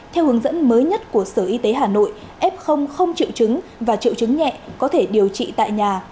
theo hướng dẫn mới nhất của sở y tế hà nội f không triệu chứng và triệu chứng nhẹ có thể điều trị tại nhà